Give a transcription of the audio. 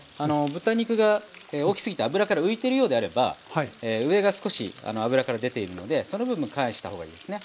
豚肉が大きすぎて油から浮いてるようであれば上が少し油から出ているのでその分返したほうがいいですね。